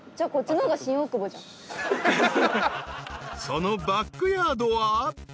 ［そのバックヤードは］